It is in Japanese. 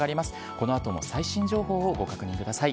このあとも最新情報をご確認ください。